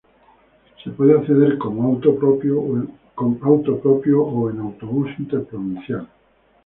Se puede acceder con auto propio o en autobús interprovincial.